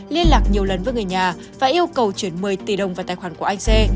liên lạc nhiều lần với người nhà và yêu cầu chuyển một mươi tỷ đồng vào tài khoản của anh xe